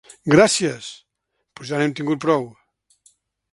Gràcies, però ja n’hem tingut prou.